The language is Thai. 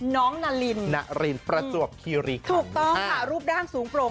น้องนาลินนาลินประจวบคิริคัมถูกต้องค่ะรูปด้านสูงโปรง